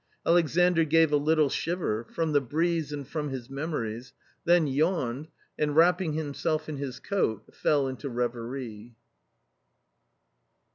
Alexandr gave a little shiver, from the breeze and from his memories, then yawned and, wrapping himself in his coat, fell into reverie.